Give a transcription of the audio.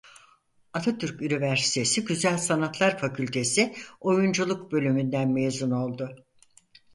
Atatürk Üniversitesi Güzel Sanatlar Fakültesi Oyunculuk Bölümünden mezun oldu.